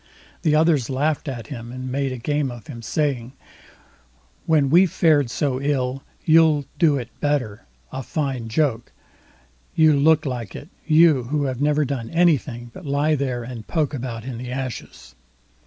The others laughed at him, and made game of him, saying: "When we fared so ill, you'll do it better—a fine joke; you look like it—you, who have never done anything but lie there and poke about in the ashes."